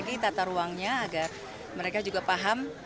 terutama tetapkan tata ruangnya agar mereka paham